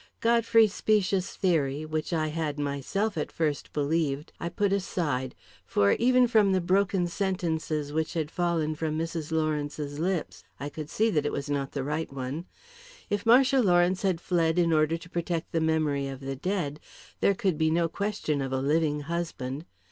Godfrey's specious theory which I had myself at first believed I put aside, for, even from the broken sentences which had fallen from Mrs. Lawrence's lips, I could see that it was not the right one. If Marcia Lawrence had fled in order to protect the memory of the dead, there could be no question of a living husband.